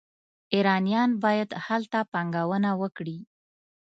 ایرانیان باید هلته پانګونه وکړي.